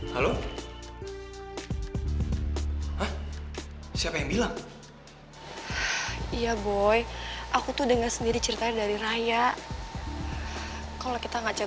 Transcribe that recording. halo siapa yang bilang iya boy aku tuh dengar sendiri cerita dari raya kalau kita ngacak